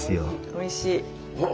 おいしい。